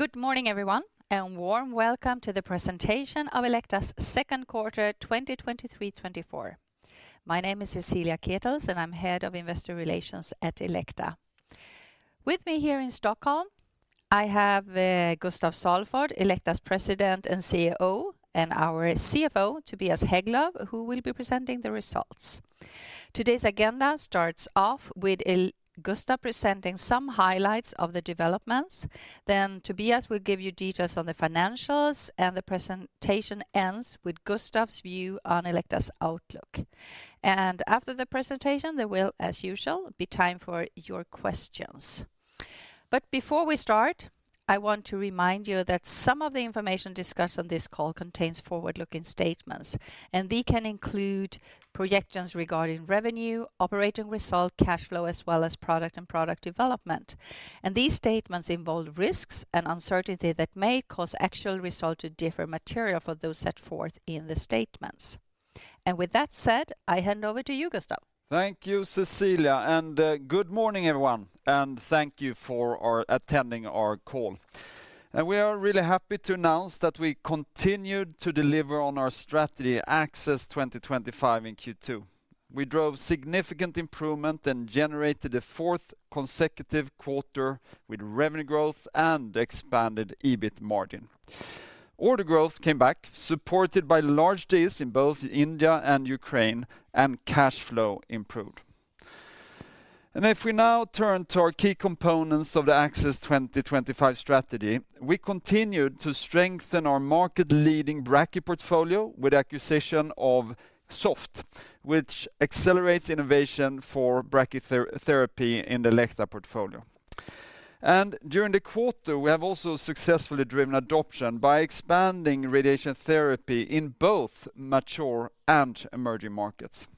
Good morning, everyone, and warm welcome to the presentation of Elekta's second quarter 2023/2024. My name is Cecilia Ketels, and I'm Head of Investor Relations at Elekta. With me here in Stockholm, I have Gustaf Salford, Elekta's President and CEO, and our CFO, Tobias Hägglöv, who will be presenting the results. Today's agenda starts off with Gustaf presenting some highlights of the developments, then Tobias will give you details on the financials, and the presentation ends with Gustaf's view on Elekta's outlook. After the presentation, there will, as usual, be time for your questions. Before we start, I want to remind you that some of the information discussed on this call contains forward-looking statements, and these can include projections regarding revenue, operating result, cash flow, as well as product and product development. These statements involve risks and uncertainty that may cause actual results to differ materially from those set forth in the statements. With that said, I hand over to you, Gustaf. Thank you, Cecilia, and good morning, everyone, and thank you for attending our call. We are really happy to announce that we continued to deliver on our strategy, ACCESS 2025, in Q2. We drove significant improvement and generated a fourth consecutive quarter with revenue growth and expanded EBIT margin. Order growth came back, supported by large deals in both India and Ukraine, and cash flow improved. If we now turn to our key components of the ACCESS 2025 strategy, we continued to strengthen our market-leading brachy portfolio with acquisition of Xoft, which accelerates innovation for brachytherapy in the Elekta portfolio. During the quarter, we have also successfully driven adoption by expanding radiation therapy in both mature and emerging markets.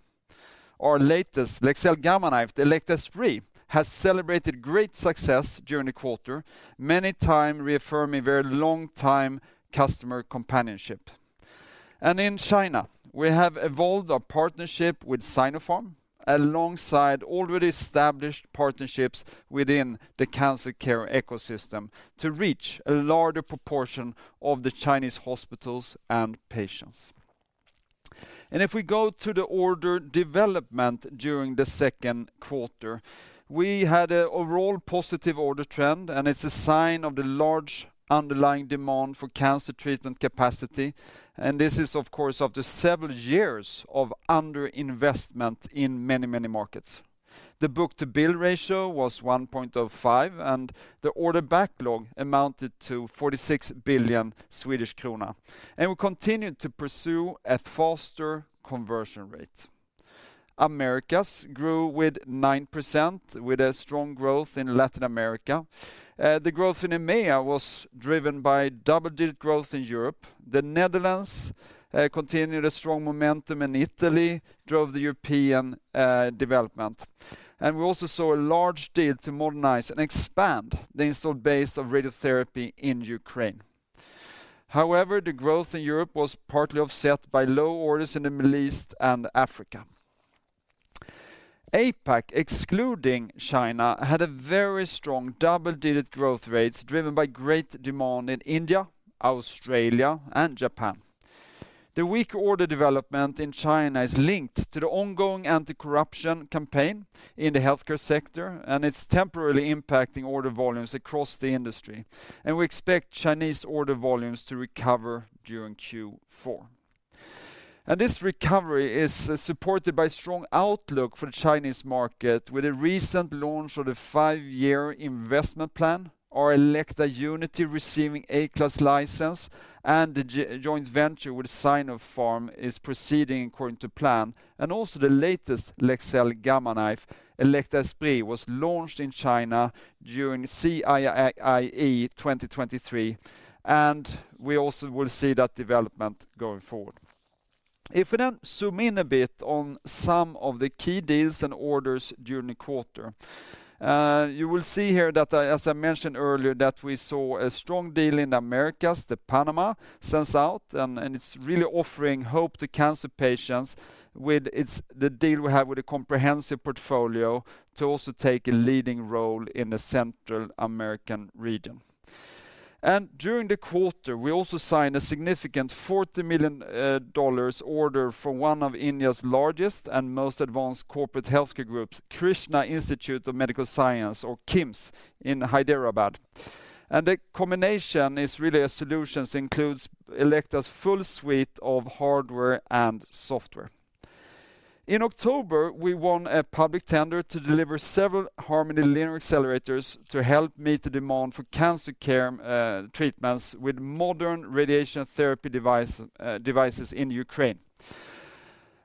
Our latest Leksell Gamma Knife, Elekta Esprit, has celebrated great success during the quarter, many times reaffirming very long time customer companionship. In China, we have evolved a partnership with Sinopharm, alongside already established partnerships within the cancer care ecosystem, to reach a larger proportion of the Chinese hospitals and patients. If we go to the order development during the second quarter, we had an overall positive order trend, and it's a sign of the large underlying demand for cancer treatment capacity, and this is, of course, after several years of underinvestment in many, many markets. The book-to-bill ratio was 1.05, and the order backlog amounted to 46 billion Swedish krona, and we continued to pursue a faster conversion rate. Americas grew with 9%, with a strong growth in Latin America. The growth in EMEA was driven by double-digit growth in Europe. The Netherlands continued a strong momentum, and Italy drove the European development. And we also saw a large deal to modernize and expand the installed base of radiotherapy in Ukraine. However, the growth in Europe was partly offset by low orders in the Middle East and Africa. APAC, excluding China, had a very strong double-digit growth rates, driven by great demand in India, Australia, and Japan. The weak order development in China is linked to the ongoing anti-corruption campaign in the healthcare sector, and it's temporarily impacting order volumes across the industry, and we expect Chinese order volumes to recover during Q4. And this recovery is supported by strong outlook for the Chinese market, with a recent launch of the five-year investment plan, our Elekta Unity receiving A-class license, and the joint venture with Sinopharm is proceeding according to plan. Also, the latest Leksell Gamma Knife, Elekta Esprit, was launched in China during CIIE 2023, and we also will see that development going forward. If we then zoom in a bit on some of the key deals and orders during the quarter, you will see here that, as I mentioned earlier, that we saw a strong deal in the Americas, the Panama Senshoud, and it's really offering hope to cancer patients with its... the deal we have with a comprehensive portfolio to also take a leading role in the Central American region. And during the quarter, we also signed a significant $40 million order from one of India's largest and most advanced corporate healthcare groups, Krishna Institute of Medical Sciences, or KIMS, in Hyderabad. And the combination is really a solutions, includes Elekta's full suite of hardware and software. In October, we won a public tender to deliver several Harmony linear accelerators to help meet the demand for cancer care, treatments with modern radiation therapy device, devices in Ukraine.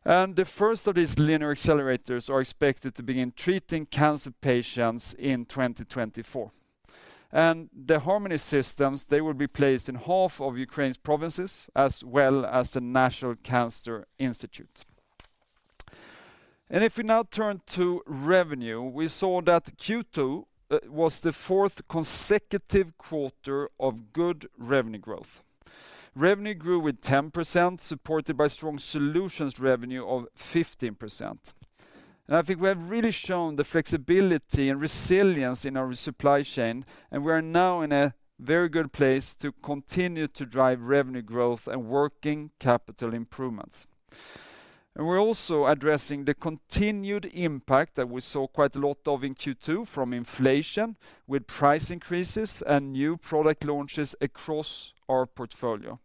The first of these linear accelerators are expected to begin treating cancer patients in 2024. The Harmony systems, they will be placed in half of Ukraine's provinces, as well as the National Cancer Institute. If we now turn to revenue, we saw that Q2 was the fourth consecutive quarter of good revenue growth. Revenue grew with 10%, supported by strong solutions revenue of 15%. I think we have really shown the flexibility and resilience in our supply chain, and we are now in a very good place to continue to drive revenue growth and working capital improvements. We're also addressing the continued impact that we saw quite a lot of in Q2 from inflation, with price increases and new product launches across our portfolio.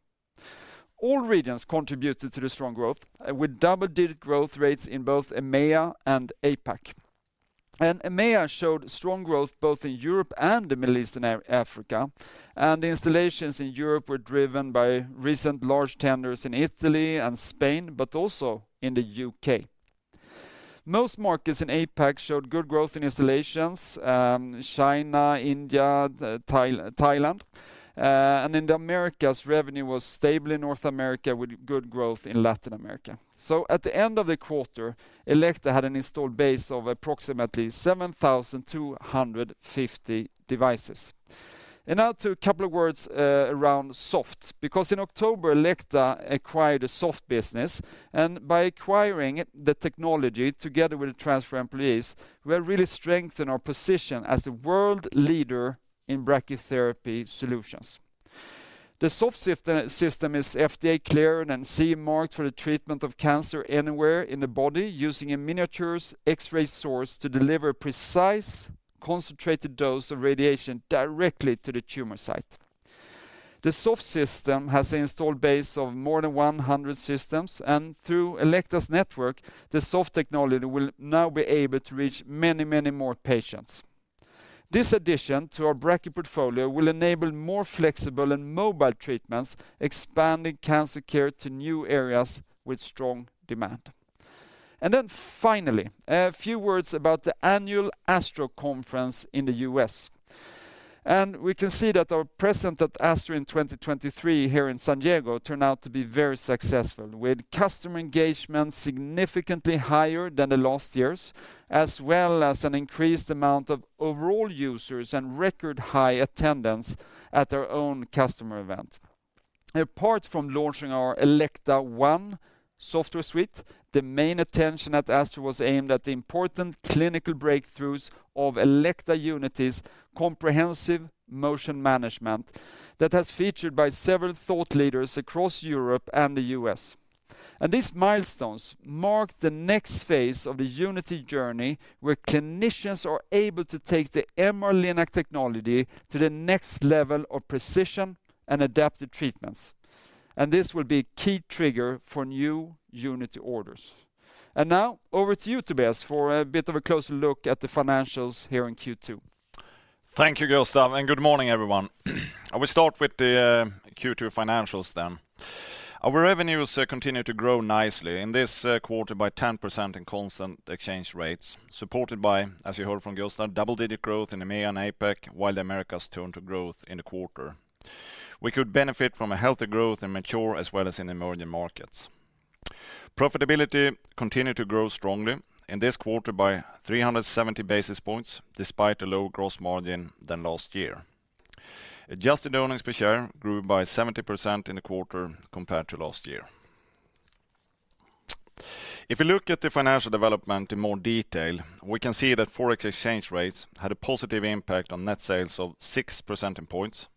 All regions contributed to the strong growth, with double-digit growth rates in both EMEA and APAC. EMEA showed strong growth both in Europe and the Middle East and Africa, and installations in Europe were driven by recent large tenders in Italy and Spain, but also in the U.K.. Most markets in APAC showed good growth in installations, China, India, Thailand. And in the Americas, revenue was stable in North America, with good growth in Latin America. At the end of the quarter, Elekta had an installed base of approximately 7,250 devices. And now to a couple of words around Xoft, because in October, Elekta acquired a Xoft business, and by acquiring it, the technology, together with the transfer employees, we have really strengthened our position as the world leader in brachytherapy solutions. The Xoft system is FDA cleared and CE marked for the treatment of cancer anywhere in the body, using a miniaturized X-ray source to deliver precise, concentrated dose of radiation directly to the tumor site. The Xoft system has an installed base of more than 100 systems, and through Elekta's network, the Xoft technology will now be able to reach many, many more patients. This addition to our brachy portfolio will enable more flexible and mobile treatments, expanding cancer care to new areas with strong demand. And then finally, a few words about the annual ASTRO Conference in the U.S. We can see that our presence at ASTRO in 2023 here in San Diego turned out to be very successful, with customer engagement significantly higher than the last years, as well as an increased amount of overall users and record high attendance at our own customer event. Apart from launching our Elekta One software suite, the main attention at ASTRO was aimed at the important clinical breakthroughs of Elekta Unity's Comprehensive Motion Management that has featured by several thought leaders across Europe and the U.S. These milestones mark the next phase of the Unity journey, where clinicians are able to take the MR-Linac technology to the next level of precision and adaptive treatments. This will be a key trigger for new Unity orders. Now, over to you, Tobias, for a bit of a closer look at the financials here in Q2. Thank you, Gustaf, and good morning, everyone. I will start with the Q2 financials then. Our revenues continue to grow nicely in this quarter by 10% in constant exchange rates, supported by, as you heard from Gustaf, double-digit growth in EMEA and APAC, while the Americas turned to growth in the quarter. We could benefit from a healthy growth in mature as well as in emerging markets. Profitability continued to grow strongly in this quarter by 370 basis points, despite a lower gross margin than last year. Adjusted earnings per share grew by 70% in the quarter compared to last year. If we look at the financial development in more detail, we can see that Forex exchange rates had a positive impact on net sales of six percentage points,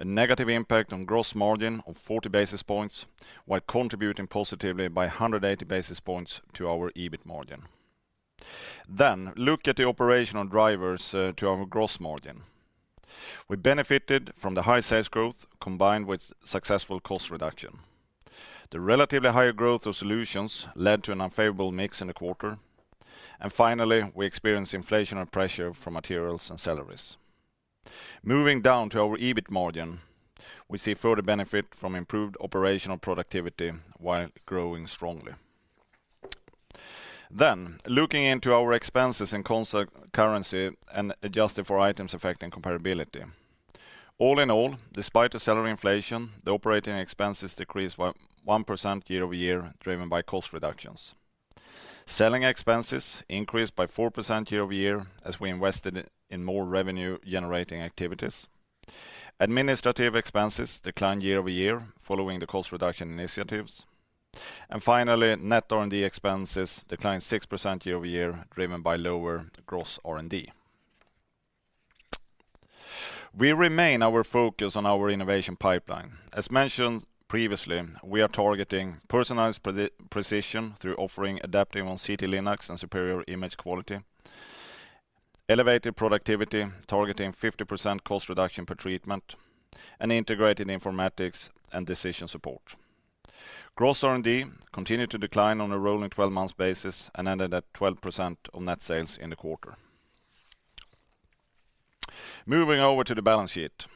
a negative impact on gross margin of 40 basis points, while contributing positively by 180 basis points to our EBIT margin. Then, look at the operational drivers to our gross margin. We benefited from the high sales growth, combined with successful cost reduction. The relatively higher growth of solutions led to an unfavorable mix in the quarter, and finally, we experienced inflationary pressure from materials and salaries. Moving down to our EBIT margin, we see further benefit from improved operational productivity while growing strongly. Then, looking into our expenses in constant currency and adjusted for items affecting comparability. All in all, despite the salary inflation, the operating expenses decreased by 1% year-over-year, driven by cost reductions. Selling expenses increased by 4% year-over-year, as we invested in more revenue-generating activities. Administrative expenses declined year-over-year, following the cost reduction initiatives. And finally, net R&D expenses declined 6% year-over-year, driven by lower gross R&D. We remain focused on our innovation pipeline. As mentioned previously, we are targeting personalized precision through offering adaptive oncology, CT, Linacs, and superior image quality, elevated productivity, targeting 50% cost reduction per treatment, and integrated informatics and decision support. Gross R&D continued to decline on a rolling 12-month basis and ended at 12% of net sales in the quarter. Moving over to the balance sheet. Net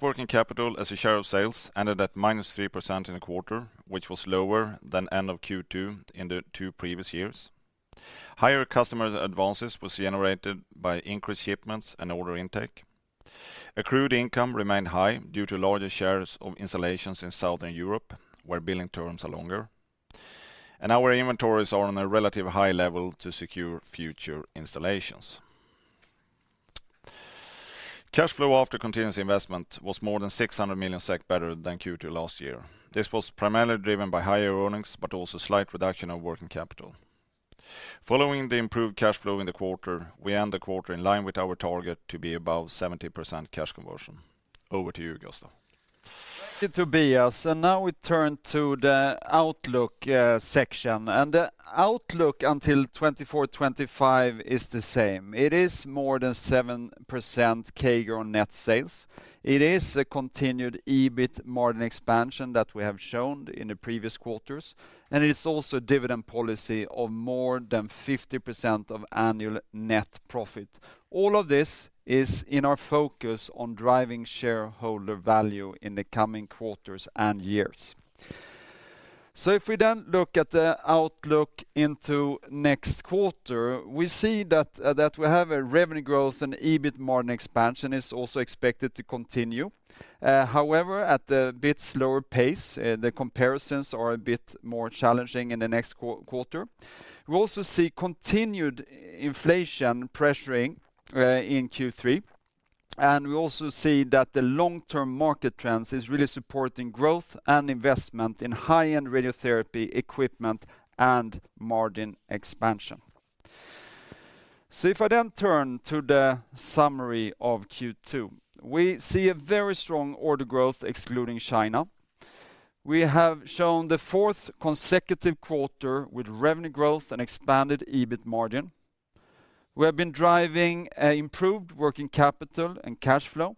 working capital as a share of sales ended at -3% in the quarter, which was lower than end of Q2 in the two previous years. Higher customer advances was generated by increased shipments and order intake. Accrued income remained high due to larger shares of installations in Southern Europe, where billing terms are longer, and our inventories are on a relatively high level to secure future installations. Cash flow after continuous investment was more than 600 million SEK better than Q2 last year. This was primarily driven by higher earnings, but also slight reduction of working capital. Following the improved cash flow in the quarter, we end the quarter in line with our target to be above 70% cash conversion. Over to you, Gustaf. Thank you, Tobias. Now we turn to the outlook section. The outlook until 2024-2025 is the same. It is more than 7% CAGR on net sales. It is a continued EBIT margin expansion that we have shown in the previous quarters, and it's also a dividend policy of more than 50% of annual net profit. All of this is in our focus on driving shareholder value in the coming quarters and years. So if we then look at the outlook into next quarter, we see that we have a revenue growth, and EBIT margin expansion is also expected to continue. However, at a bit slower pace, the comparisons are a bit more challenging in the next quarter. We also see continued inflation pressuring in Q3, and we also see that the long-term market trends is really supporting growth and investment in high-end radiotherapy equipment and margin expansion. So if I then turn to the summary of Q2, we see a very strong order growth excluding China. We have shown the fourth consecutive quarter with revenue growth and expanded EBIT margin. We have been driving improved working capital and cash flow.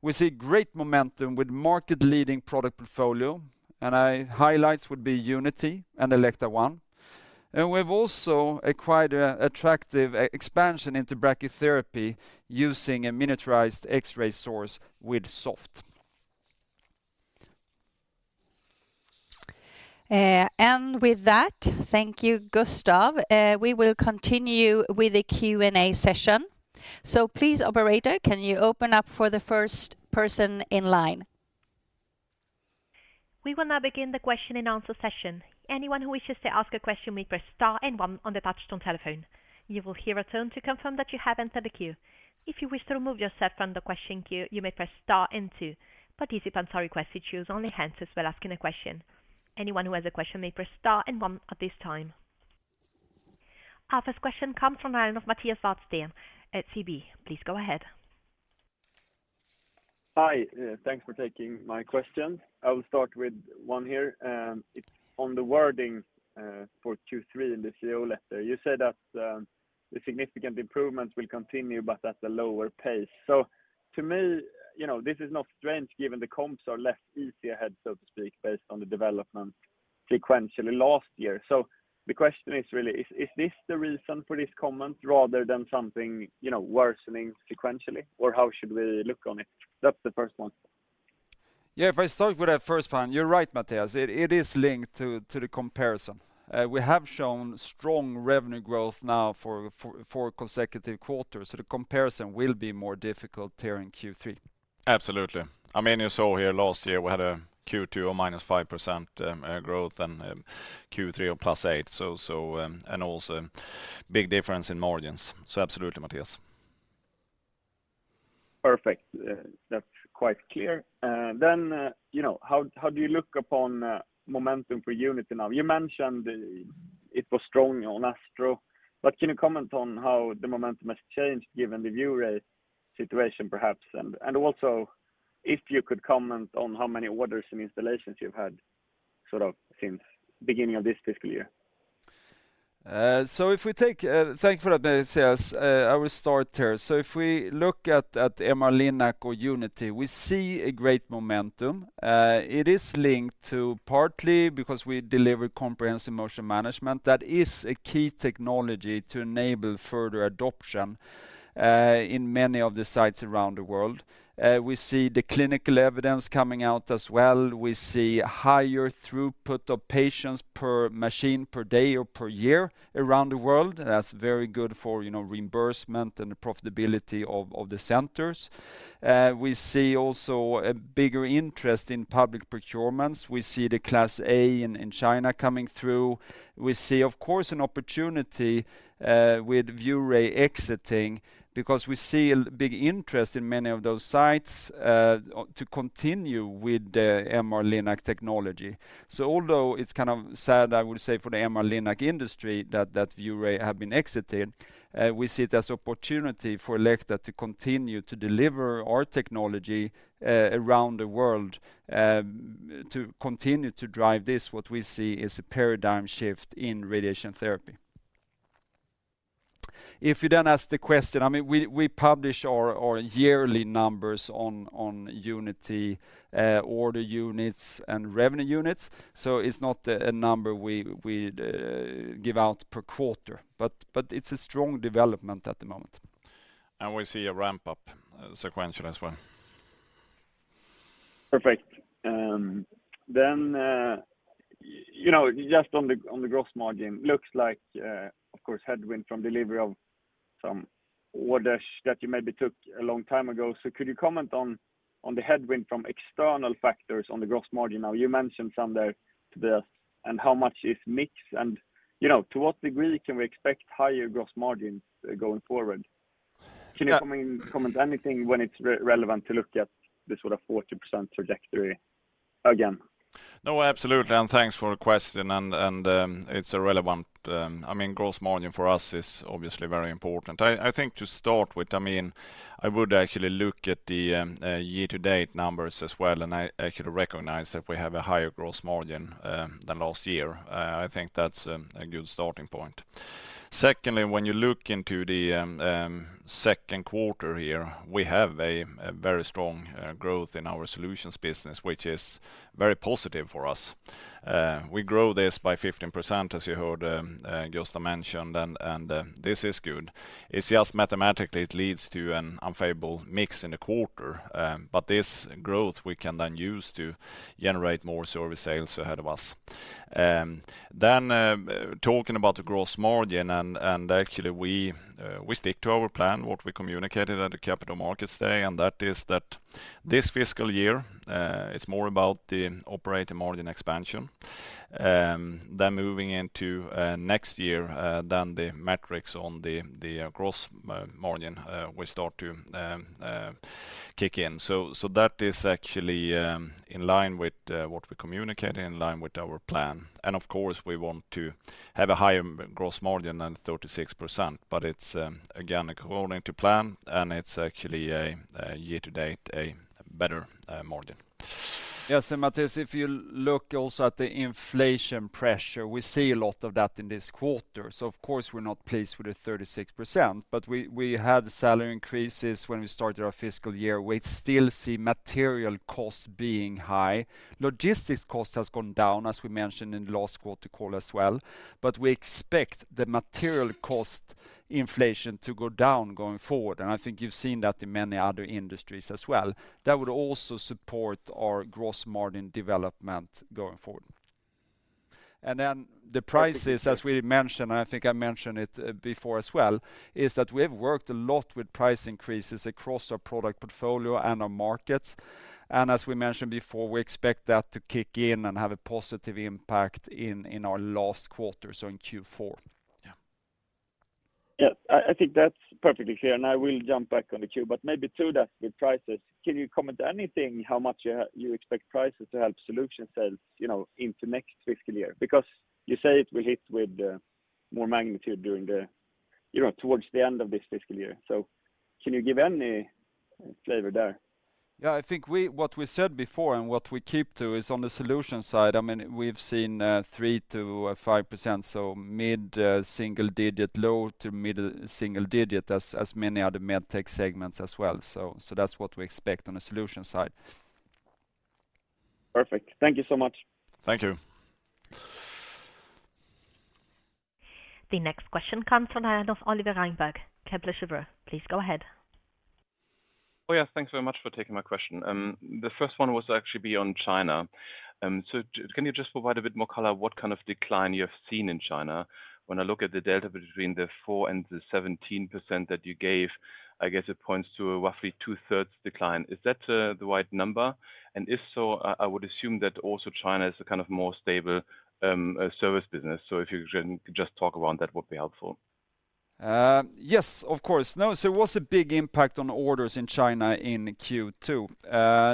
We see great momentum with market-leading product portfolio, and highlights would be Unity and Elekta One. And we've also acquired an attractive expansion into brachytherapy, using a miniaturized X-ray source with Xoft. With that, thank you, Gustaf. We will continue with a Q&A session. Please, operator, can you open up for the first person in line? We will now begin the question-and-answer session. Anyone who wishes to ask a question may press star and one on the touch-tone telephone. You will hear a tone to confirm that you have entered the queue. If you wish to remove yourself from the question queue, you may press star and two. Participants are requested to use only answers when asking a question. Anyone who has a question may press star and one at this time. Our first question comes from the line of Mattias Häggblom at SEB. Please go ahead. Hi, thanks for taking my question. I will start with one here, it's on the wording, for Q3 in the CEO letter. You said that, the significant improvements will continue, but at a lower pace. So to me, you know, this is not strange, given the comps are less easy ahead, so to speak, based on the development sequentially last year. So the question is really, is, is this the reason for this comment rather than something, you know, worsening sequentially, or how should we look on it? That's the first one. Yeah, if I start with that first one, you're right, Mattias, it is linked to the comparison. We have shown strong revenue growth now for four consecutive quarters, so the comparison will be more difficult here in Q3. Absolutely. I mean, you saw here last year, we had a Q2 or -5% growth and Q3 or +8%, so, and also big difference in margins. So absolutely, Mattias. Perfect. That's quite clear. Then, you know, how do you look upon momentum for Unity now? You mentioned it was strong on ASTRO, but can you comment on how the momentum has changed given the ViewRay situation, perhaps? And also if you could comment on how many orders and installations you've had, sort of since beginning of this fiscal year. Thank you for that, Mattias. I will start here. So if we look at MR-Linac or Unity, we see a great momentum. It is linked to, partly because we deliver comprehensive motion management. That is a key technology to enable further adoption in many of the sites around the world. We see the clinical evidence coming out as well. We see higher throughput of patients per machine, per day, or per year around the world. That's very good for, you know, reimbursement and the profitability of the centers. We see also a bigger interest in public procurements. We see the Class A in China coming through. We see, of course, an opportunity with ViewRay exiting, because we see a big interest in many of those sites to continue with the MR-Linac technology. So although it's kind of sad, I would say, for the MR-Linac industry, that ViewRay have been exiting, we see it as opportunity for Elekta to continue to deliver our technology around the world, to continue to drive this, what we see as a paradigm shift in radiation therapy. If you then ask the question, I mean, we publish our yearly numbers on Unity, order units and revenue units, so it's not a number we would give out per quarter, but it's a strong development at the moment. We see a ramp up, sequential as well. Perfect. Then, you know, just on the, on the gross margin, looks like, of course, headwind from delivery of some orders that you maybe took a long time ago. So could you comment on, on the headwind from external factors on the gross margin? Now, you mentioned some there to the... And how much is mix and-... you know, to what degree can we expect higher gross margins going forward? Yeah. Can you comment, comment anything when it's relevant to look at this with a 40% trajectory again? No, absolutely, and thanks for the question, and it's irrelevant. I mean, gross margin for us is obviously very important. I think to start with, I mean, I would actually look at the year-to-date numbers as well, and I actually recognize that we have a higher gross margin than last year. I think that's a good starting point. Secondly, when you look into the second quarter here, we have a very strong growth in our solutions business, which is very positive for us. We grow this by 15%, as you heard, Gustaf mentioned, and this is good. It's just mathematically it leads to an unfavorable mix in the quarter. But this growth, we can then use to generate more service sales ahead of us. Then, talking about the gross margin, and actually, we stick to our plan, what we communicated at the Capital Markets Day, and that is that this fiscal year is more about the operating margin expansion. Then moving into next year, then the metrics on the gross margin will start to kick in. So that is actually in line with what we communicate, in line with our plan. And of course, we want to have a higher gross margin than 36%, but it's again, according to plan, and it's actually a year to date, a better margin. Yes, and Mattias, if you look also at the inflation pressure, we see a lot of that in this quarter. So of course, we're not pleased with the 36%, but we had salary increases when we started our fiscal year. We still see material costs being high. Logistics cost has gone down, as we mentioned in the last quarter call as well, but we expect the material cost inflation to go down going forward, and I think you've seen that in many other industries as well. That would also support our gross margin development going forward. And then the prices, as we mentioned, and I think I mentioned it, before as well, is that we have worked a lot with price increases across our product portfolio and our markets. As we mentioned before, we expect that to kick in and have a positive impact in our last quarter, so in Q4. Yeah. Yes, I think that's perfectly clear, and I will jump back on the queue, but maybe to that, with prices, can you comment anything, how much you expect prices to help solution sales, you know, into next fiscal year? Because you say it will hit with more magnitude during the... You know, towards the end of this fiscal year. So can you give any flavor there? Yeah, I think what we said before, and what we keep to, is on the solution side, I mean, we've seen 3%-5%, so mid-single digit, low- to mid-single digit, as many other med tech segments as well. So that's what we expect on the solution side. Perfect. Thank you so much. Thank you. The next question comes from the line of Oliver Reinberg, Kepler Cheuvreux. Please go ahead. Oh, yeah, thanks very much for taking my question. The first one was actually on China. So just can you just provide a bit more color, what kind of decline you have seen in China? When I look at the data between the 4% and the 17% that you gave, I guess it points to a roughly two-thirds decline. Is that the right number? And if so, I, I would assume that also China is a kind of more stable service business. So if you can just talk around, that would be helpful. Yes, of course. Now, so it was a big impact on orders in China in Q2.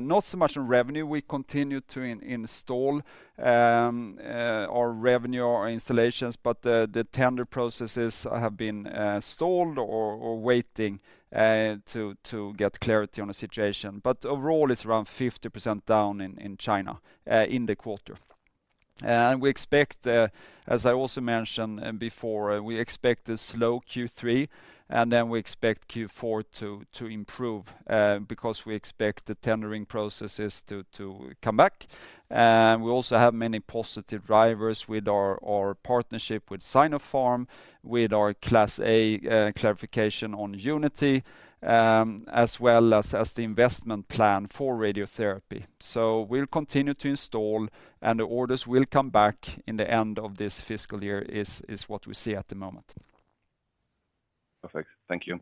Not so much on revenue. We continued to install our revenue, our installations, but the tender processes have been stalled or waiting to get clarity on the situation. But overall, it's around 50% down in China in the quarter. And we expect, as I also mentioned before, we expect a slow Q3, and then we expect Q4 to improve because we expect the tendering processes to come back. And we also have many positive drivers with our partnership with Sinopharm, with our Class A clarification on Unity, as well as the investment plan for radiotherapy. So we'll continue to install, and the orders will come back in the end of this fiscal year, is what we see at the moment. Perfect. Thank you.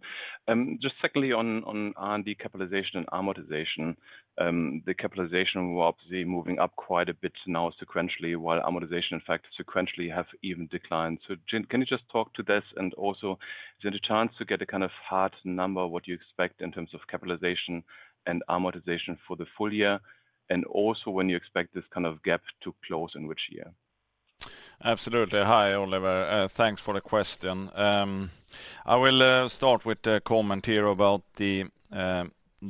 Just secondly, on, on, on the capitalization and amortization. The capitalization was moving up quite a bit now sequentially, while amortization, in fact, sequentially have even declined. So can you just talk to this, and also, is there a chance to get a kind of hard number, what you expect in terms of capitalization and amortization for the full year, and also when you expect this kind of gap to close in which year? Absolutely. Hi, Oliver. Thanks for the question. I will start with a comment here about the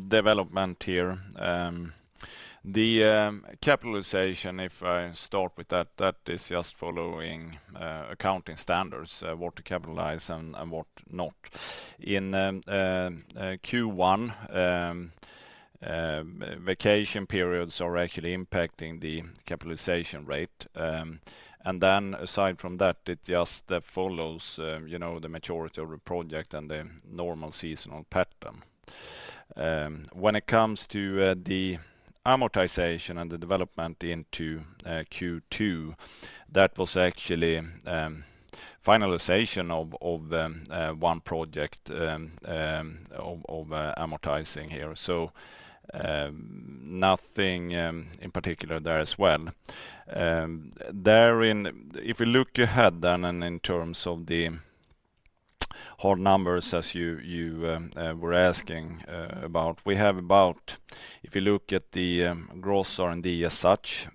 development here. The capitalization, if I start with that, that is just following accounting standards, what to capitalize and what not. In Q1, vacation periods are actually impacting the capitalization rate. And then aside from that, it just follows, you know, the majority of the project and the normal seasonal pattern. When it comes to the amortization and the development into Q2, that was actually finalization of one project of amortizing here. So, nothing in particular there as well. If we look ahead then, and in terms of the hard numbers as you were asking about, we have about, if you look at the gross R&D as such,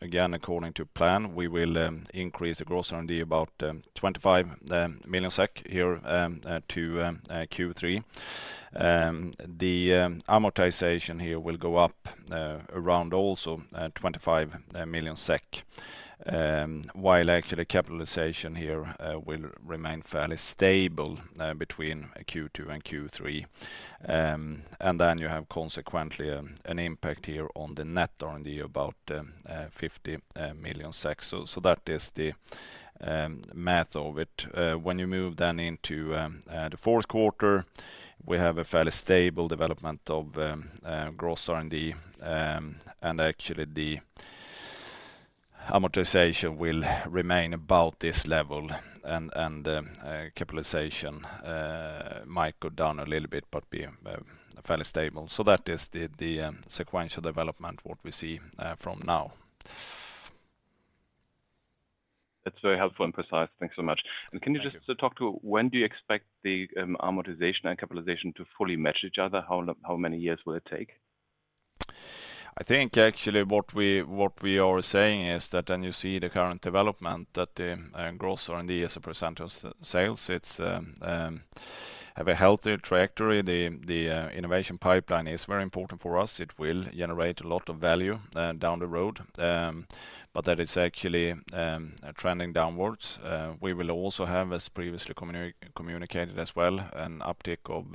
again, according to plan, we will increase the gross R&D about 25 million SEK here to Q3. The amortization here will go up around also 25 million SEK. While actually capitalization here will remain fairly stable between Q2 and Q3. And then you have consequently an impact here on the net R&D about 50 million SEK. So that is the math of it. When you move then into the fourth quarter, we have a fairly stable development of gross R&D. Actually, the amortization will remain about this level, and capitalization might go down a little bit, but be fairly stable. That is the sequential development, what we see from now. That's very helpful and precise. Thanks so much. Thank you. Can you just talk to, when do you expect the amortization and capitalization to fully match each other? How long, how many years will it take? I think actually, what we are saying is that when you see the current development, that the gross R&D as a percentage of sales, it's have a healthier trajectory. The innovation pipeline is very important for us. It will generate a lot of value down the road. But that is actually trending downwards. We will also have, as previously communicated as well, an uptick of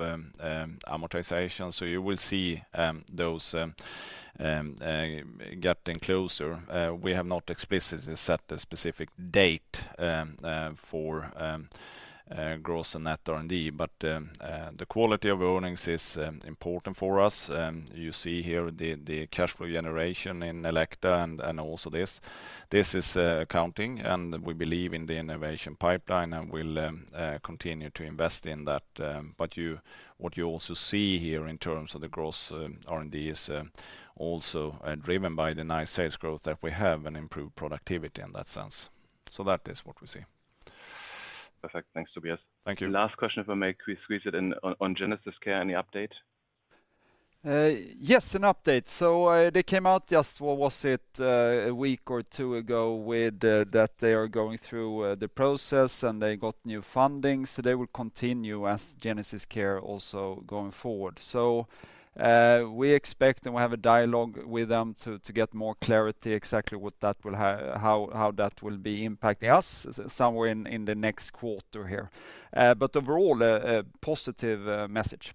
amortization. So you will see those getting closer. We have not explicitly set a specific date for gross and net R&D, but the quality of earnings is important for us. You see here the cash flow generation in Elekta and also this. This is counting, and we believe in the innovation pipeline, and we'll continue to invest in that. But you... What you also see here in terms of the gross R&D is also driven by the nice sales growth that we have and improved productivity in that sense. So that is what we see. Perfect. Thanks, Tobias. Thank you. Last question, if I may squeeze it in, on, on GenesisCare, any update? Yes, an update. So, they came out just, what was it? A week or two ago with that they are going through the process, and they got new funding, so they will continue as GenesisCare also going forward. So, we expect, and we have a dialogue with them to get more clarity, exactly what that will have - how that will be impacting us somewhere in the next quarter here. But overall, a positive message.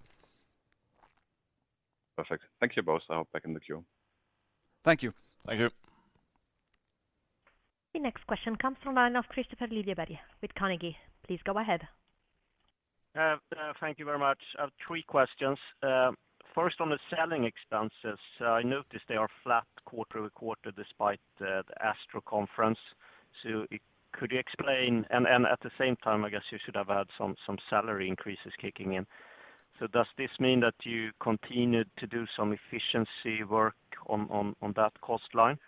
Perfect. Thank you both. I'll get back in the queue. Thank you. Thank you. The next question comes from the line of Kristofer Liljeberg with Carnegie. Please go ahead. Thank you very much. I have three questions. First, on the selling expenses, I noticed they are flat quarter-over-quarter, despite the ASTRO conference. So could you explain? And at the same time, I guess you should have had some salary increases kicking in. So does this mean that you continued to do some efficiency work on that cost line?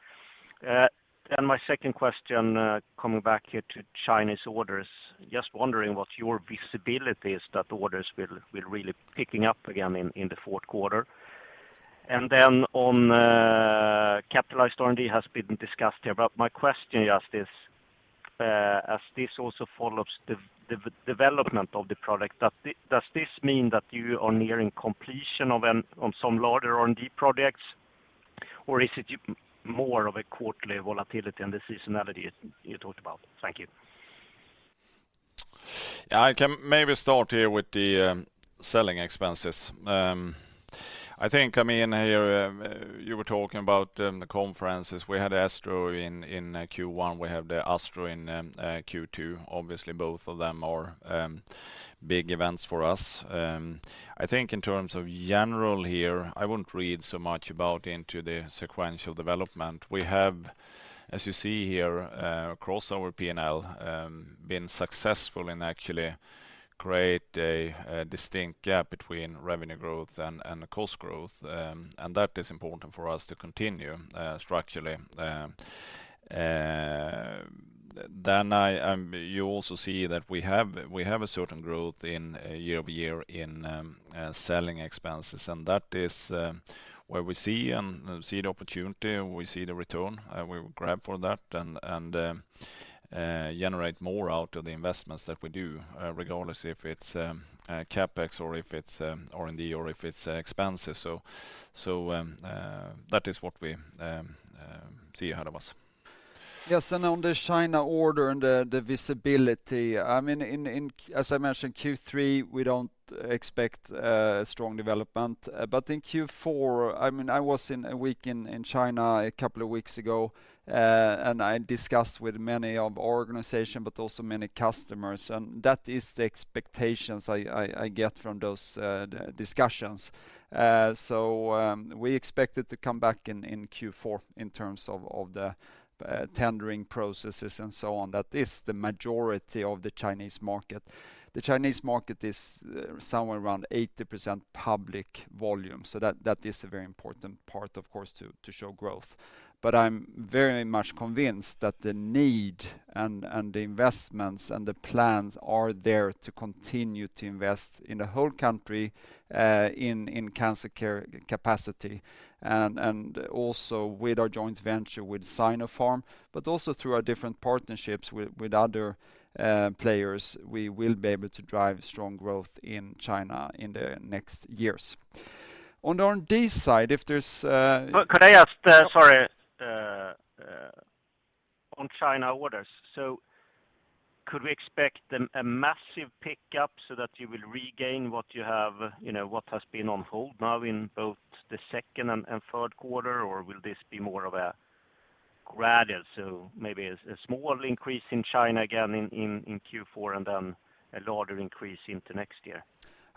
And my second question, coming back here to Chinese orders, just wondering what your visibility is that orders will really pick up again in the fourth quarter? And then on capitalized R&D has been discussed here, but my question just is, as this also follows the, the development of the product, does this mean that you are nearing completion of an, of some larger R&D projects, or is it more of a quarterly volatility and the seasonality you talked about? Thank you. I can maybe start here with the selling expenses. I think, I mean, here, you were talking about the conferences. We had ASTRO in Q1. We have the ASTRO in Q2. Obviously, both of them are big events for us. I think in terms of general here, I won't read so much about into the sequential development. We have, as you see here, across our P&L, been successful in actually create a distinct gap between revenue growth and cost growth. And that is important for us to continue structurally. Then I... You also see that we have a certain growth in year-over-year in selling expenses, and that is where we see the opportunity. We see the return. We will grab for that and generate more out of the investments that we do. Regardless if it's CapEx or if it's R&D or if it's expenses. So that is what we see ahead of us. ... Yes, and on the China order and the visibility, I mean, in, as I mentioned, Q3, we don't expect strong development. But in Q4, I mean, I was in a week in China a couple of weeks ago, and I discussed with many of organization, but also many customers, and that is the expectations I get from those discussions. So, we expected to come back in Q4 in terms of the tendering processes and so on. That is the majority of the Chinese market. The Chinese market is somewhere around 80% public volume, so that is a very important part, of course, to show growth. But I'm very much convinced that the need and the investments, and the plans are there to continue to invest in the whole country in cancer care capacity. Also with our joint venture with Sinopharm, but also through our different partnerships with other players, we will be able to drive strong growth in China in the next years. On the R&D side, if there's Could I ask, sorry, on China orders, so could we expect them a massive pickup so that you will regain what you have, you know, what has been on hold now in both the second and third quarter? Or will this be more of a gradual, so maybe a small increase in China, again, in Q4 and then a larger increase into next year?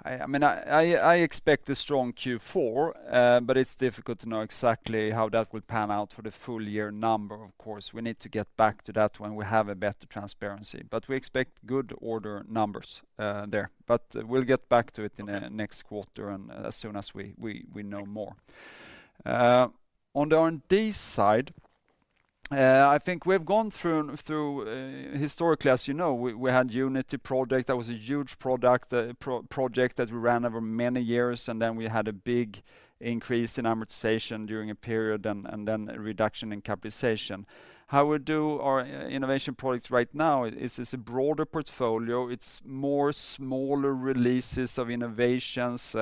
I mean, I expect a strong Q4. But it's difficult to know exactly how that will pan out for the full year number. Of course, we need to get back to that when we have a better transparency, but we expect good order numbers there. But we'll get back to it in next quarter, and as soon as we know more. On the R&D side, I think we've gone through historically, as you know, we had Unity project. That was a huge project that we ran over many years, and then we had a big increase in amortization during a period and then a reduction in capitalization. How we do our innovation products right now is a broader portfolio. It's more smaller releases of innovations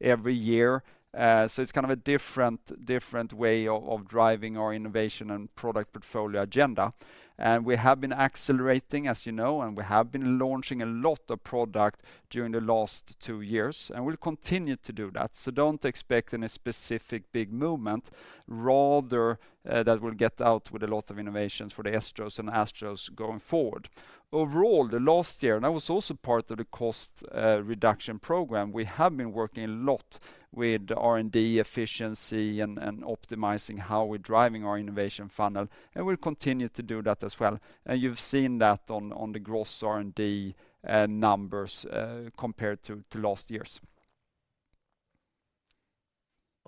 every year. So it's kind of a different, different way of driving our innovation and product portfolio agenda. And we have been accelerating, as you know, and we have been launching a lot of product during the last two years, and we'll continue to do that. So don't expect any specific big movement, rather, that will get out with a lot of innovations for the ASTRO's and ESTRO's going forward. Overall, the last year, and I was also part of the cost reduction program, we have been working a lot with R&D efficiency and optimizing how we're driving our innovation funnel, and we'll continue to do that as well. And you've seen that on the gross R&D numbers compared to last year's.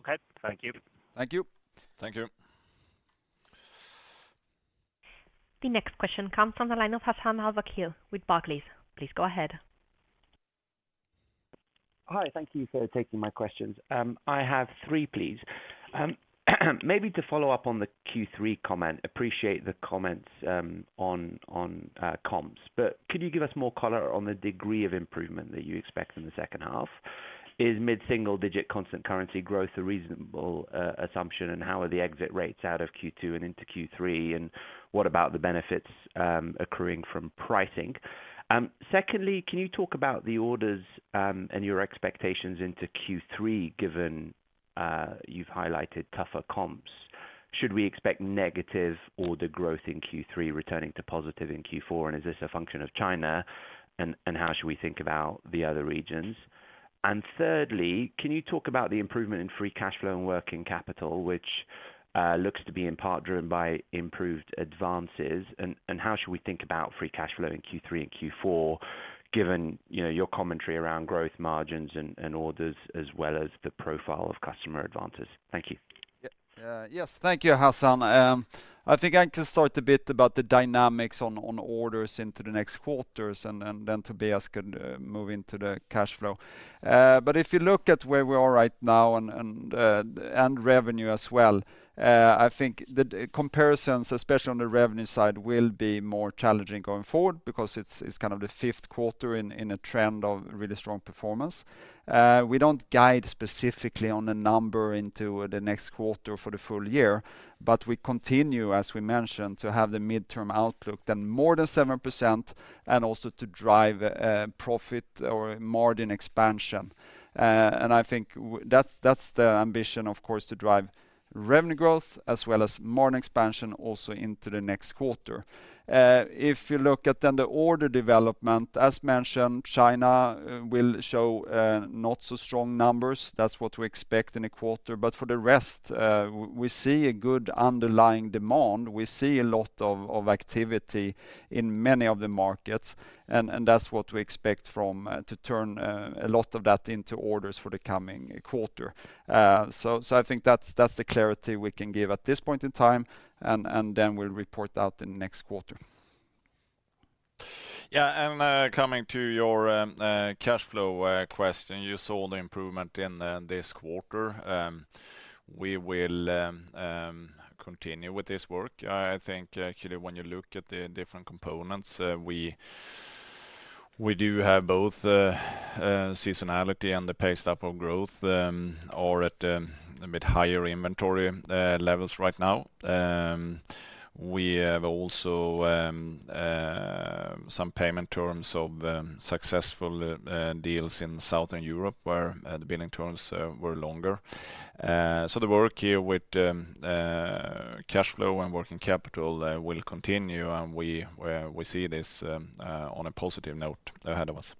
Okay. Thank you. Thank you. Thank you. The next question comes from the line of Hassan Al-Wakeel with Barclays. Please go ahead. Hi, thank you for taking my questions. I have three, please. Maybe to follow up on the Q3 comment, appreciate the comments on comps. But could you give us more color on the degree of improvement that you expect in the second half? Is mid-single digit constant currency growth a reasonable assumption, and how are the exit rates out of Q2 and into Q3, and what about the benefits accruing from pricing? Secondly, can you talk about the orders and your expectations into Q3, given you've highlighted tougher comps? Should we expect negative order growth in Q3, returning to positive in Q4, and is this a function of China, and how should we think about the other regions? And thirdly, can you talk about the improvement in free cash flow and working capital, which looks to be in part driven by improved advances, and how should we think about free cash flow in Q3 and Q4, given, you know, your commentary around growth margins and orders, as well as the profile of customer advances? Thank you. Yeah. Yes, thank you, Hassan. I think I can start a bit about the dynamics on orders into the next quarters, and then Tobias can move into the cash flow. But if you look at where we are right now and revenue as well, I think the comparisons, especially on the revenue side, will be more challenging going forward because it's kind of the fifth quarter in a trend of really strong performance. We don't guide specifically on the number into the next quarter for the full year, but we continue, as we mentioned, to have the midterm outlook then more than 7%, and also to drive profit or margin expansion. And I think that's, that's the ambition, of course, to drive revenue growth, as well as margin expansion also into the next quarter. If you look at then the order development, as mentioned, China will show not so strong numbers. That's what we expect in a quarter. But for the rest, we, we see a good underlying demand. We see a lot of activity in many of the markets, and that's what we expect from to turn a lot of that into orders for the coming quarter. So, so I think that's, that's the clarity we can give at this point in time, and then we'll report out the next quarter. Yeah, and coming to your cash flow question, you saw the improvement in this quarter. We will continue with this work. I think actually when you look at the different components, we- ... We do have both seasonality and the paced up of growth or at a bit higher inventory levels right now. We have also some payment terms of successful deals in Southern Europe, where the billing terms were longer. So the work here with cash flow and working capital will continue, and we see this on a positive note ahead of us.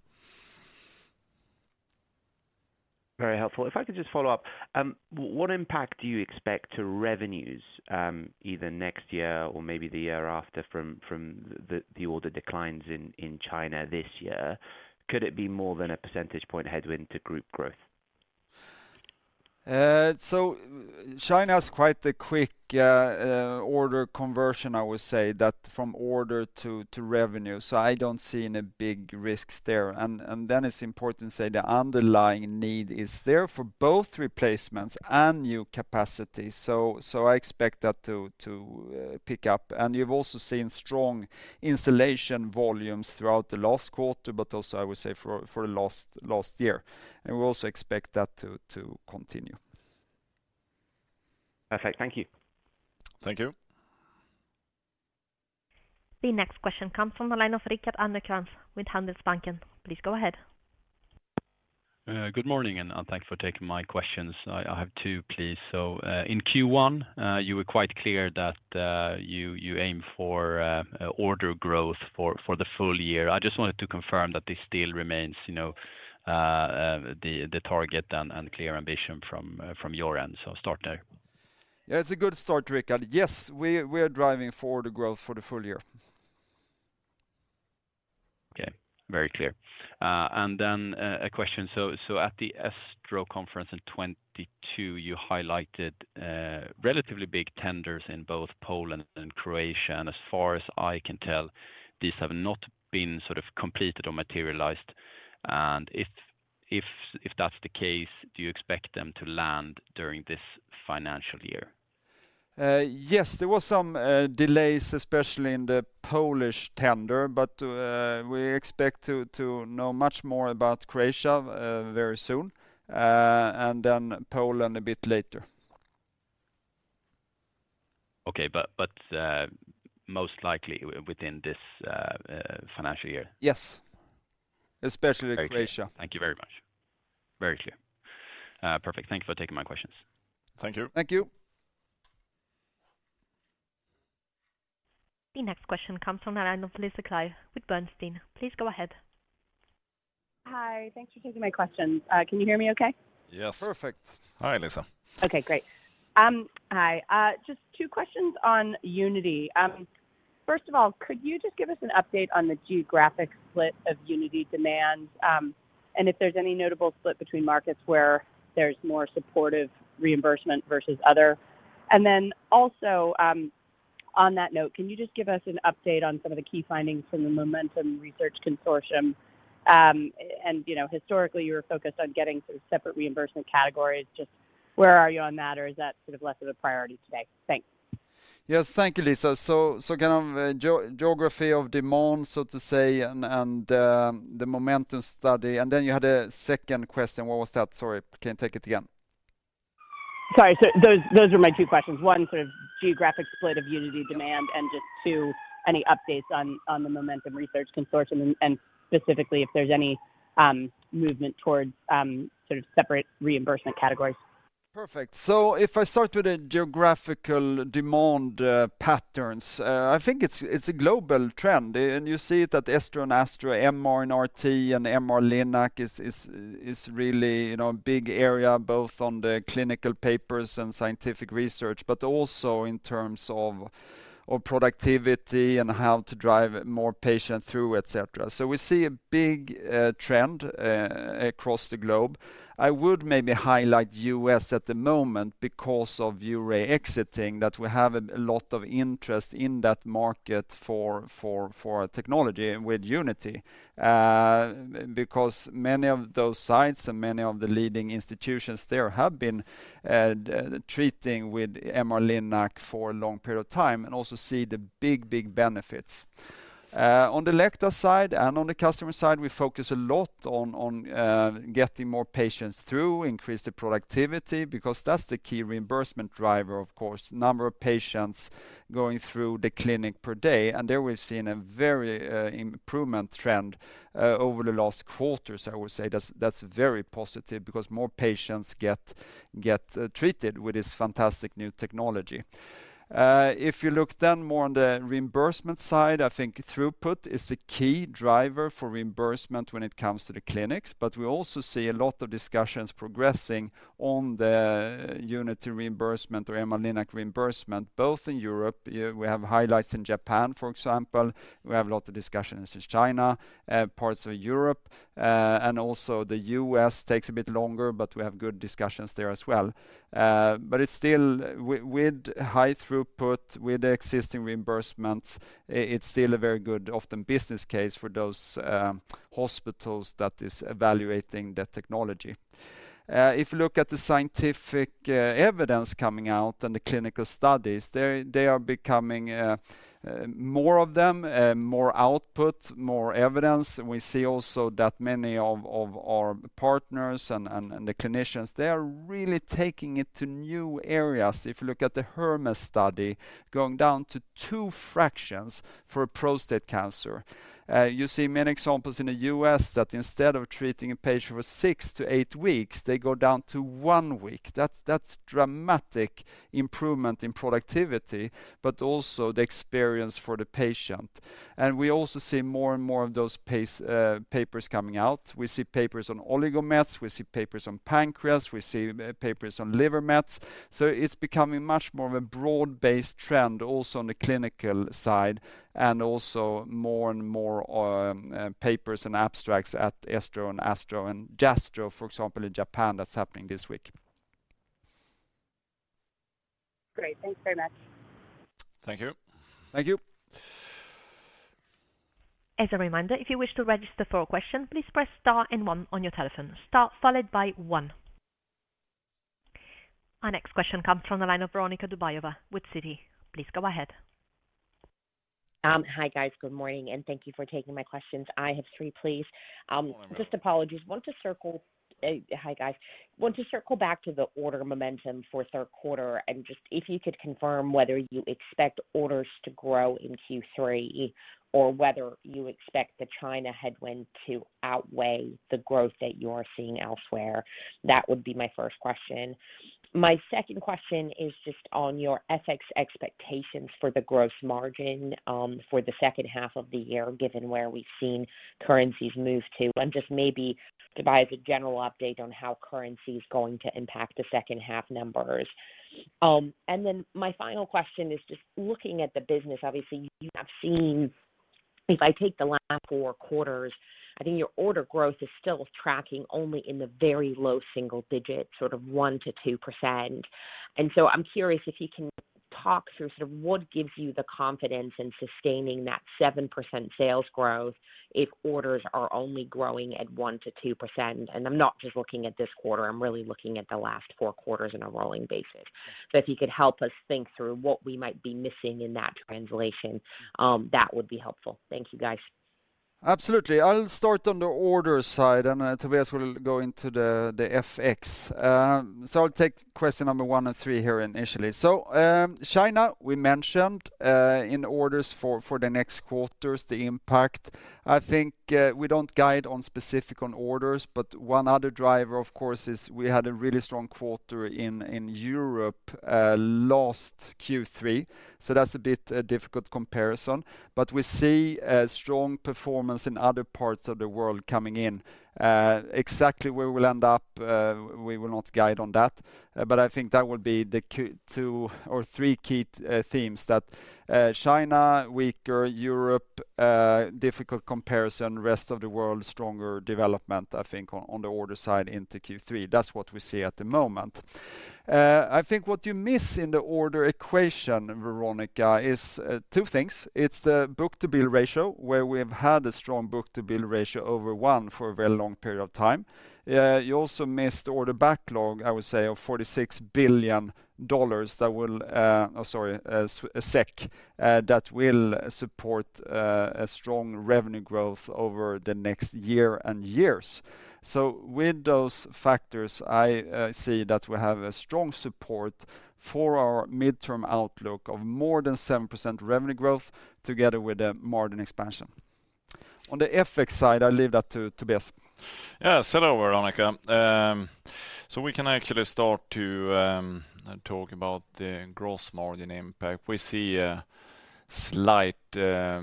Very helpful. If I could just follow up, what impact do you expect to revenues, either next year or maybe the year after from the order declines in China this year? Could it be more than a percentage point headwind to group growth? So China has quite a quick order conversion, I would say, that from order to revenue, so I don't see any big risks there. And then it's important to say the underlying need is there for both replacements and new capacity. So I expect that to pick up. And you've also seen strong installation volumes throughout the last quarter, but also, I would say for the last year, and we also expect that to continue. Perfect. Thank you. Thank you. The next question comes from the line of Richard Anderkrans with Handelsbanken. Please go ahead. Good morning, and thanks for taking my questions. I have two, please. So, in Q1, you were quite clear that you aim for order growth for the full year. I just wanted to confirm that this still remains, you know, the target and clear ambition from your end. So start there. Yeah, it's a good start, Richard. Yes, we're driving for the growth for the full year. Okay. Very clear. And then a question: so at the ESTRO conference in 2022, you highlighted relatively big tenders in both Poland and Croatia, and as far as I can tell, these have not been sort of completed or materialized. And if that's the case, do you expect them to land during this financial year? Yes. There was some delays, especially in the Polish tender, but we expect to, to know much more about Croatia very soon, and then Poland a bit later. Okay, but most likely within this financial year? Yes. Especially Croatia. Thank you very much. Very clear. Perfect. Thank you for taking my questions. Thank you. Thank you. The next question comes from the line of Lisa Clive with Bernstein. Please go ahead. Hi. Thanks for taking my questions. Can you hear me okay? Yes. Perfect. Hi, Lisa. Okay, great. Hi, just two questions on Unity. First of all, could you just give us an update on the geographic split of Unity demand, and if there's any notable split between markets where there's more supportive reimbursement versus other? And then also, on that note, can you just give us an update on some of the key findings from the Momentum Research Consortium? And, you know, historically, you were focused on getting sort of separate reimbursement categories. Just where are you on that, or is that sort of less of a priority today? Thanks. Yes, thank you, Lisa. So, so kind of, geography of demand, so to say, and, and, the Momentum Study, and then you had a second question. What was that? Sorry, can you take it again? Sorry, so those were my two questions. One, sort of geographic split of Unity demand, and just two, any updates on the Momentum Research Consortium, and specifically, if there's any movement towards sort of separate reimbursement categories. Perfect. So if I start with the geographical demand patterns, I think it's a global trend, and you see it at the ESTRO and ASTRO, MR and RT, and MR-Linac is really, you know, a big area, both on the clinical papers and scientific research, but also in terms of productivity and how to drive more patient through, et cetera. So we see a big trend across the globe. I would maybe highlight U.S. at the moment because of ViewRay exiting, that we have a lot of interest in that market for technology with Unity. Because many of those sites and many of the leading institutions there have been treating with MR-Linac for a long period of time and also see the big, big benefits. On the Elekta side and on the customer side, we focus a lot on getting more patients through, increase the productivity, because that's the key reimbursement driver, of course, number of patients going through the clinic per day, and there we've seen a very improvement trend over the last quarters, I would say. That's very positive because more patients get treated with this fantastic new technology. If you look then more on the reimbursement side, I think throughput is a key driver for reimbursement when it comes to the clinics, but we also see a lot of discussions progressing on the Unity reimbursement or MR-Linac reimbursement, both in Europe. We have highlights in Japan, for example. We have a lot of discussions with China, parts of Europe, and also the U.S. takes a bit longer, but we have good discussions there as well. But it's still with, with high throughput, with the existing reimbursements, it's still a very good often business case for those, hospitals that is evaluating the technology. If you look at the scientific, evidence coming out and the clinical studies, they're, they are becoming, more of them, more output, more evidence. And we see also that many of, of our partners and, and, and the clinicians, they are really taking it to new areas. If you look at the HERMES study, going down to two fractions for prostate cancer. You see many examples in the U.S. that instead of treating a patient for six to eight weeks, they go down to one week. That's, that's dramatic improvement in productivity, but also the experience for the patient. And we also see more and more of those pace papers coming out. We see papers on oligomets, we see papers on pancreas, we see papers on liver mets. So it's becoming much more of a broad-based trend also on the clinical side, and also more and more papers and abstracts at ESTRO and ASTRO and JASTRO, for example, in Japan, that's happening this week.... Thanks very much. Thank you. Thank you. As a reminder, if you wish to register for a question, please press star and one on your telephone. Star followed by one. Our next question comes from the line of Veronika Dubajova with Citi. Please go ahead. Hi, guys. Good morning, and thank you for taking my questions. I have three, please. Hi, guys. Want to circle back to the order momentum for third quarter, and just if you could confirm whether you expect orders to grow in Q3, or whether you expect the China headwind to outweigh the growth that you are seeing elsewhere? That would be my first question. My second question is just on your FX expectations for the gross margin, for the second half of the year, given where we've seen currencies move to, and just maybe provide a general update on how currency is going to impact the second half numbers. Then my final question is just looking at the business. Obviously, you have seen, if I take the last four quarters, I think your order growth is still tracking only in the very low single digits, sort of 1%-2%. And so I'm curious if you can talk through sort of what gives you the confidence in sustaining that 7% sales growth if orders are only growing at 1%-2%. And I'm not just looking at this quarter, I'm really looking at the last four quarters on a rolling basis. So if you could help us think through what we might be missing in that translation, that would be helpful. Thank you, guys. Absolutely. I'll start on the order side, and Tobias will go into the FX. So, I'll take question number one and three here initially. So, China, we mentioned, in orders for the next quarters, the impact. I think we don't guide on specific on orders, but one other driver, of course, is we had a really strong quarter in Europe last Q3, so that's a bit a difficult comparison. But we see a strong performance in other parts of the world coming in. Exactly where we'll end up, we will not guide on that, but I think that would be the key two or three key themes that China, weaker Europe, difficult comparison, rest of the world, stronger development, I think on the order side into Q3. That's what we see at the moment. I think what you miss in the order equation, Veronica, is two things: It's the book-to-bill ratio, where we have had a strong book-to-bill ratio over one for a very long period of time. You also missed order backlog, I would say, of SEK 46 billion that will support a strong revenue growth over the next year and years. So with those factors, I see that we have a strong support for our midterm outlook of more than 7% revenue growth together with the margin expansion. On the FX side, I leave that to Tobias. Yeah. Hello, Veronica. So we can actually start to talk about the gross margin impact. We see a slight negative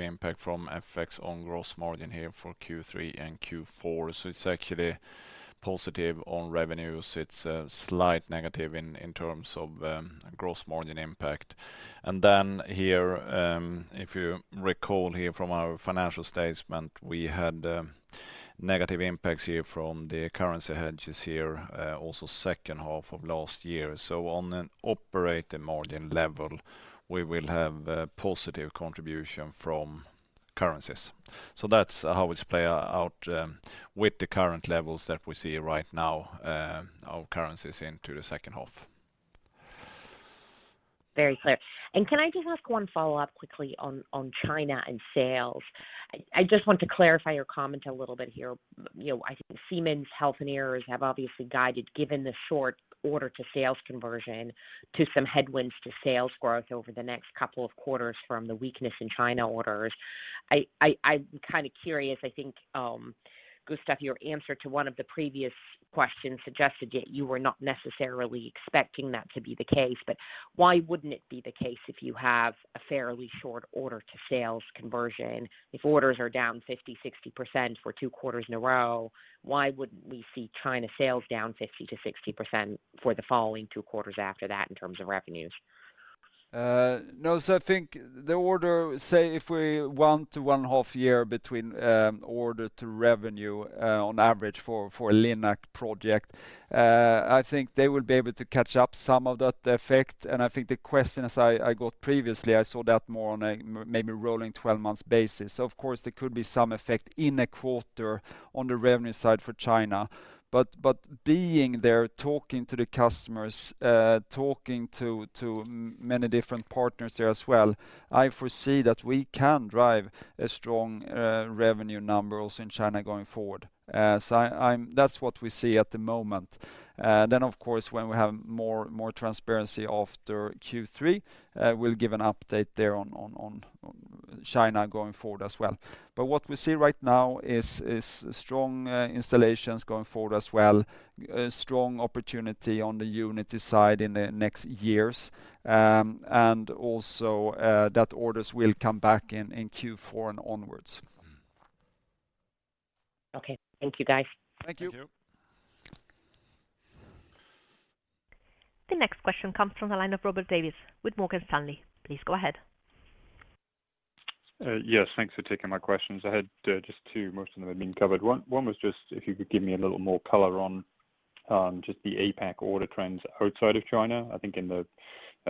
impact from FX on gross margin here for Q3 and Q4. So it's actually positive on revenues. It's a slight negative in terms of gross margin impact. And then here, if you recall here from our financial statement, we had negative impacts here from the currency hedges here, also second half of last year. So on an operating margin level, we will have a positive contribution from currencies. So that's how it play out, with the current levels that we see right now, our currencies into the second half. Very clear. And can I just ask one follow-up quickly on China and sales? I just want to clarify your comment a little bit here. You know, I think Siemens Healthineers have obviously guided, given the short order to sales conversion, to some headwinds to sales growth over the next couple of quarters from the weakness in China orders. I'm kind of curious. I think, Gustaf, your answer to one of the previous questions suggested that you were not necessarily expecting that to be the case. But why wouldn't it be the case if you have a fairly short order to sales conversion? If orders are down 50%-60% for two quarters in a row, why wouldn't we see China sales down 50%-60% for the following two quarters after that, in terms of revenues? No. So I think the order, say, if we one to one half year between order to revenue on average for a Linac project, I think they would be able to catch up some of that effect. And I think the questions I got previously, I saw that more on a maybe rolling 12 months basis. Of course, there could be some effect in a quarter on the revenue side for China, but being there, talking to the customers, talking to many different partners there as well, I foresee that we can drive a strong revenue numbers in China going forward. So I'm—that's what we see at the moment. Then, of course, when we have more transparency after Q3, we'll give an update there on China going forward as well. But what we see right now is strong installations going forward as well, strong opportunity on the Unity side in the next years, and also that orders will come back in Q4 and onwards. Okay. Thank you, guys. Thank you. Thank you. The next question comes from the line of Robert Davies with Morgan Stanley. Please go ahead.... Yes, thanks for taking my questions. I had just two, most of them have been covered. One was just if you could give me a little more color on just the APAC order trends outside of China. I think in the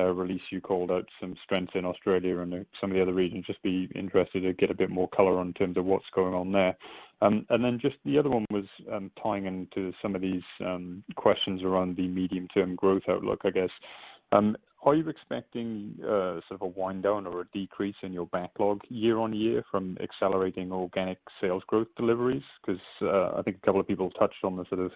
release, you called out some strength in Australia and some of the other regions. Just be interested to get a bit more color on in terms of what's going on there. And then just the other one was tying into some of these questions around the medium-term growth outlook, I guess. Are you expecting sort of a wind down or a decrease in your backlog year-on-year from accelerating organic sales growth deliveries? 'Cause I think a couple of people touched on the sort of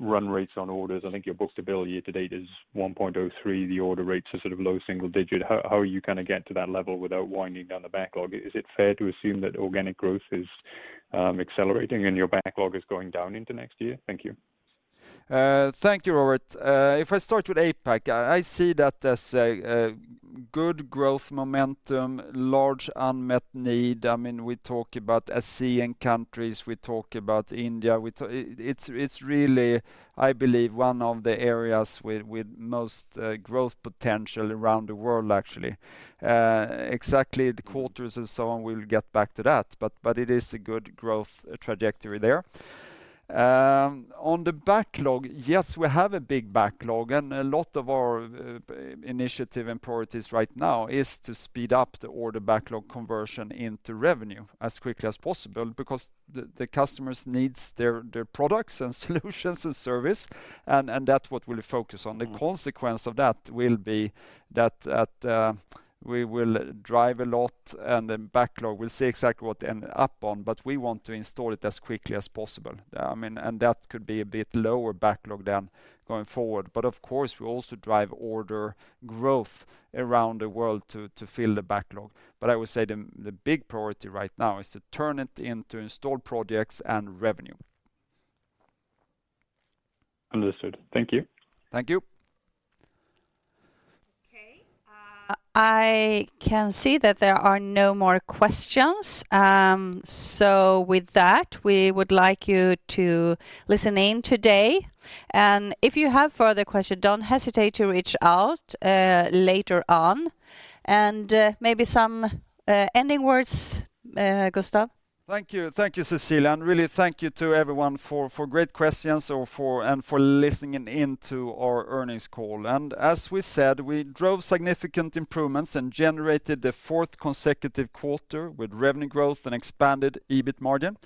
run rates on orders. I think your book-to-bill year-to-date is 1.03. The order rates are sort of low single-digit. How are you gonna get to that level without winding down the backlog? Is it fair to assume that organic growth is accelerating and your backlog is going down into next year? Thank you. Thank you, Robert. If I start with APAC, I see that as a good growth momentum, large unmet need. I mean, we talk about ASEAN countries, we talk about India, we talk. It's really, I believe, one of the areas with most growth potential around the world, actually. Exactly, the quarters and so on, we'll get back to that, but it is a good growth trajectory there. On the backlog, yes, we have a big backlog, and a lot of our initiative and priorities right now is to speed up the order backlog conversion into revenue as quickly as possible, because the customers needs their products and solutions and service, and that's what we'll focus on. The consequence of that will be that, at, we will drive a lot, and the backlog, we'll see exactly what end up on, but we want to install it as quickly as possible. I mean, and that could be a bit lower backlog then going forward. But, of course, we also drive order growth around the world to fill the backlog. But I would say the big priority right now is to turn it into installed projects and revenue. Understood. Thank you. Thank you. Okay, I can see that there are no more questions. So with that, we would like you to listen in today, and if you have further question, don't hesitate to reach out later on. And maybe some ending words, Gustaf? Thank you. Thank you, Cecilia, and really thank you to everyone for great questions and for listening in to our earnings call. As we said, we drove significant improvements and generated the fourth consecutive quarter with revenue growth and expanded EBIT margin.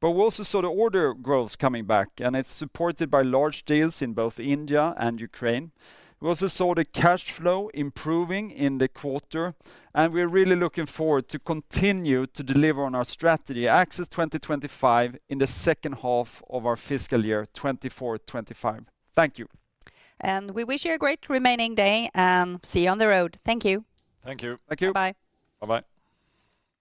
But we also saw the order growth coming back, and it's supported by large deals in both India and Ukraine. We also saw the cash flow improving in the quarter, and we're really looking forward to continue to deliver on our strategy Access 2025 in the second half of our fiscal year 2024, 2025. Thank you. We wish you a great remaining day, and see you on the road. Thank you. Thank you. Thank you. Bye-bye. Bye-bye.